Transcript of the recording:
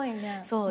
そう。